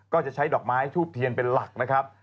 ก็จะใช้ดอกไม้ทูบเทียนเป็นหลักนะครับ